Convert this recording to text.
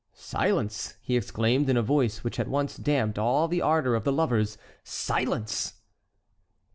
"Silence!" he exclaimed, in a voice which at once damped all the ardor of the lovers; "silence!"